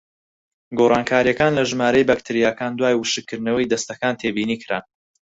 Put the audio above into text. گۆڕانکاریەکان لە ژمارەی بەکتریاکان دوای وشکردنەوەی دەستەکان تێبینیکران: